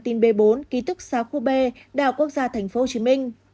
thông tin b bốn ký thúc xá khu b đảo quốc gia tp hcm